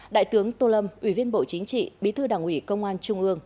đại tướng tô lâm ủy viên bộ chính trị bí thư đảng ủy công an trung ương